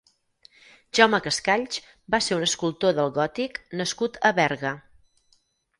Jaume Cascalls va ser un escultor del gòtic nascut a Berga.